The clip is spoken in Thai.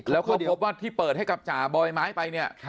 แล้วก็พบว่าที่เปิดให้กับจ่าบอยไม้ไปเนี่ย